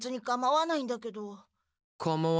かまわないんだけど？